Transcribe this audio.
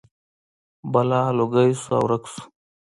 بلا لوګی شو او ورک شو.